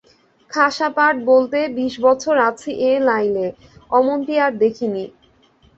খাসা পার্ট বলত, বিশ বছর আছি এ লাইলে, অমনটি আর দেখিনি।